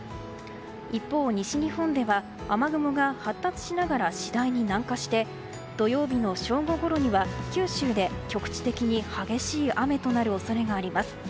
一方、西日本では雨雲が発達しながら次第に南下して土曜日の正午ごろには九州で局地的に激しい雨となる恐れがあります。